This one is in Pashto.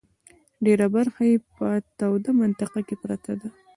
ډېره برخه یې په توده منطقه کې پرته ده.